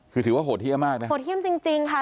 คือถือว่าโหดเยี่ยมมากนะโหดเยี่ยมจริงค่ะ